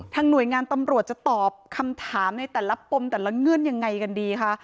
หน่วยงานตำรวจจะตอบคำถามในแต่ละปมแต่ละเงื่อนยังไงกันดีคะ